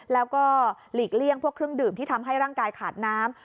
แล้วก็หลีกเลี่ยงพวกเครื่องดื่มที่ทำให้ร่างกายขาดน้ำ